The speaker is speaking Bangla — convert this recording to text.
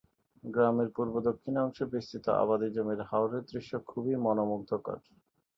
গ্রামের পূর্ব-দক্ষিণ অংশে বিস্তৃত আবাদি জমির হাওরের দৃশ্য খুবই মনোমুগ্ধকর।